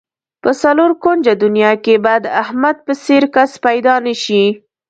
په څلور کونجه دنیا کې به د احمد په څېر کس پیدا نشي.